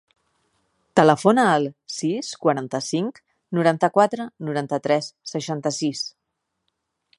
Telefona al sis, quaranta-cinc, noranta-quatre, noranta-tres, seixanta-sis.